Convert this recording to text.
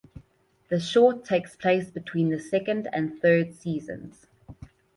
The short takes place between the second and third seasons.